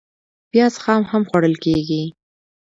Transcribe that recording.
پیاز خام هم خوړل کېږي